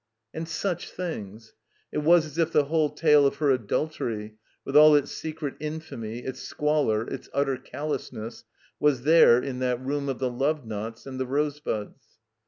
And such things! It was as if the whole tale of her adultery, with all its secret infamy, its squalor, its utter callousness, was there in that room of the love knots and the rosebuds.